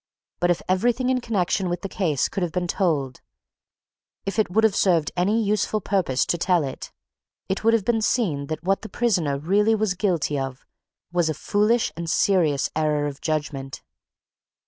But if everything in connection with the case could have been told, if it would have served any useful purpose to tell it, it would have been seen that what the prisoner really was guilty of was a foolish and serious error of judgment.